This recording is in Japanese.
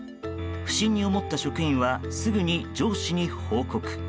不審に思った職員はすぐに上司に報告。